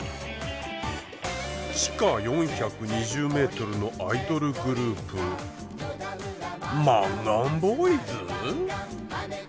地下４２０ｍのアイドルグループマンガンボーイズ！？